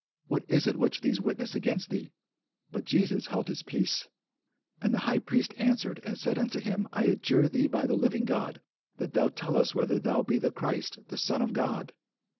what is it which these witness against thee? But Jesus held his peace. And the high priest answered and said unto him, I adjure thee by the living God, that thou tell us whether thou be the Christ, the Son of God.